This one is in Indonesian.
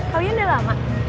kak uian udah lama